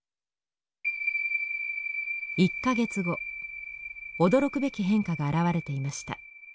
１か月後驚くべき変化が現れていました。